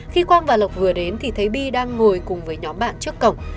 khi quang và lộc vừa đến thì thấy bi đang ngồi cùng với nhóm bạn trước cổng